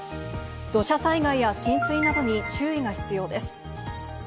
土砂災害や浸水などに注意が必要です。